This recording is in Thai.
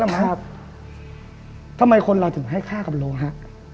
ทำไมคนเราถึงให้ค่ากับโลฮะ